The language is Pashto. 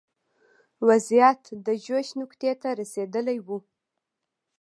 وضعیت د جوش نقطې ته رسېدلی و.